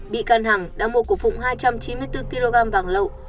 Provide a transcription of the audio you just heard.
bị can hằng đã mua của phụng hai trăm chín mươi bốn kg vàng lậu